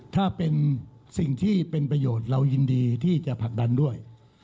ถ้าเป็นสิ่งที่เป็นประโยชน์เรายินดีที่จะผลักดันด้วย